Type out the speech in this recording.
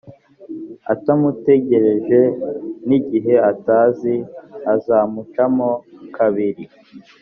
atamutegereje n igihe atazi azamucamo kabiri